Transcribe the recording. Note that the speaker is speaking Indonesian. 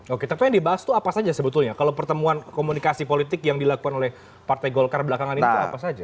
oke tapi yang dibahas itu apa saja sebetulnya kalau pertemuan komunikasi politik yang dilakukan oleh partai golkar belakangan itu apa saja